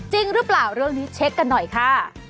จริงหรือเปล่าเรื่องนี้เช็คกันหน่อยค่ะ